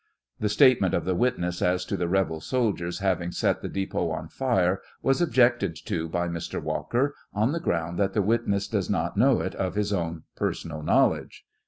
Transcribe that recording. [The statement of the witness as to the rebel sol diers having set the depot on fire, was objected to by Mr. Walker on the ground that the witness does not know it of his own personal knowledge.